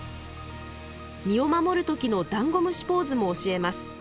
身を守る時のダンゴムシポーズも教えます。